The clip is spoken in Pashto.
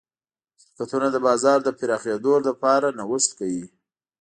شرکتونه د بازار د پراخېدو لپاره نوښت کوي.